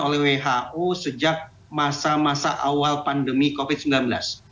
oleh who sejak masa masa awal pandemi covid sembilan belas